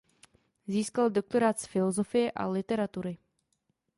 Získal doktorát z filozofie a literatury.